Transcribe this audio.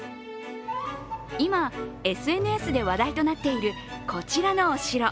今、ＳＮＳで話題となっている、こちらのお城。